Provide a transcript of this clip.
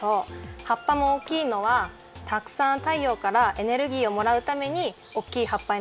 はっぱもおおきいのはたくさんたいようからエネルギーをもらうためにおっきいはっぱになってるよ。